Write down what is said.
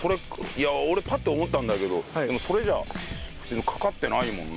いや俺パッと思ったんだけどでもそれじゃあかかってないもんなと思って。